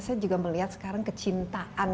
saya juga melihat sekarang kecintaan